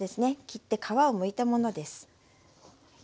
切って皮をむいたものです。